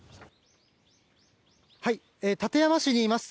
館山市にいます。